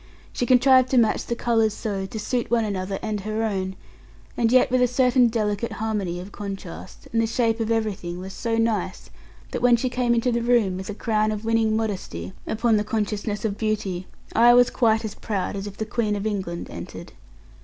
She contrived to match the colours so, to suit one another and her own, and yet with a certain delicate harmony of contrast, and the shape of everything was so nice, so that when she came into the room, with a crown of winning modesty upon the consciousness of beauty, I was quite as proud as if the Queen of England entered.